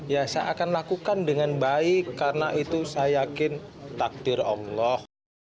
ya saya akan lakukan dengan baik karena itu saya yakin takdir allah